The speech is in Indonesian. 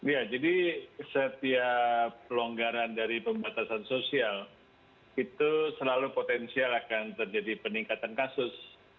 ya jadi setiap pelonggaran dari pembatasan sosial itu selalu potensial akan terjadi peningkatan kasus